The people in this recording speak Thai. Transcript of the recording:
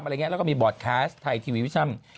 แล้วก็มีบอร์ดแคสต์ไทยทีวีวิชั่น